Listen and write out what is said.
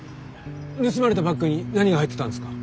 盗まれたバッグに何が入ってたんですか？